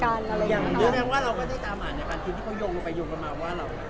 อย่างนี้แม้ว่าเราก็ได้ตามอ่านในการที่เขายงลงไปยงกันมาว่าเรา